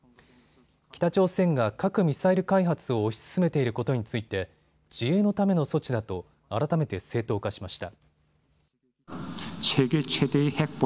北朝鮮が核・ミサイル開発を推し進めていることについて自衛のための措置だと改めて正当化しました。